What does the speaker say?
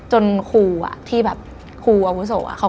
เฮ้ย